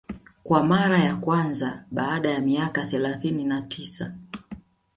kwa mara ya kwanza baada ya miaka thelathini na tisa